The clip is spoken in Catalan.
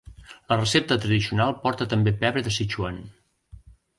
La recepta tradicional porta també pebre de Sichuan.